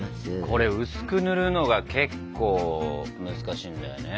これ薄くぬるのが結構難しいんだよね。